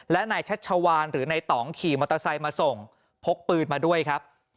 และนายชัชวานหรือนายต่องขี่มอเตอร์ไซค์มาส่งพกปืนมาด้วยครับ